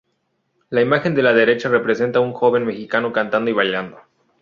La imagen de la derecha representa un joven mexica cantando y bailando.